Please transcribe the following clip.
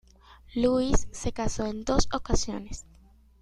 Louise se casó en dos ocasiones.